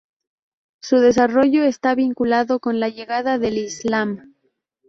Su desarrollo está vinculado con la llegada del Islam.